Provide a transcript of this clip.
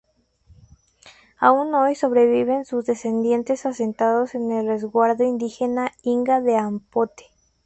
Aún hoy sobreviven sus descendientes asentados en el Resguardo Indígena Inga de Aponte.